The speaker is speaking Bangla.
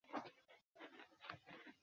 ল্যারি, একটু স্টারবাকসে ফিরে যেতে পারবে?